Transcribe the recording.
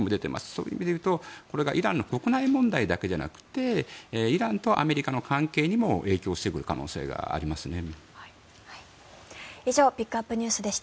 そういう意味でいうとこれがイランの国内問題だけじゃなくてイランとアメリカの関係にも影響してくる可能性がありますね。